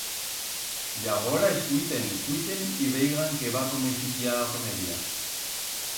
Y agora escuiten, escuiten y veigan que va a comencipiar a comedia.